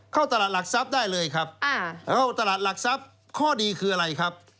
เข้าตลาดหลักทรัพย์ได้เลยครับข้อดีคืออะไรครับ